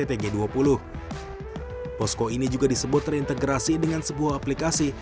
pantauan pengamanan lalu lintas ini juga terintegrasi dengan sebuah aplikasi